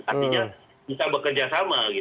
artinya bisa bekerja sama